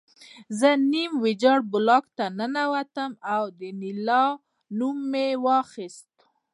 زه نیم ویجاړ بلاک ته ننوتم او د انیلا نوم مې واخیست